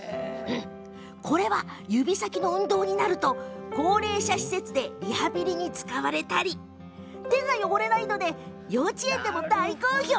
指先の運動になると高齢者施設でリハビリに使われたり手が汚れないので幼稚園でも大好評。